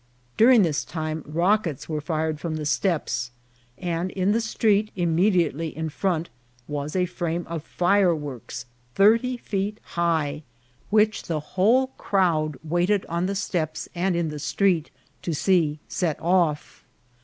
During this time rockets were fired firom the steps, and in the street, inunediately in front, was a frame of fireworks thirty feet high, which the whole crowd wait ed on the stqps and in the street to see set off.